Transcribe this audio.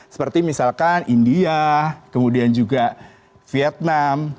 seperti misalkan india kemudian juga vietnam